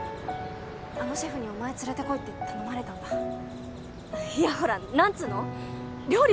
あのシェフにお前連れてこいって頼まれたんだいやほら何つうの料理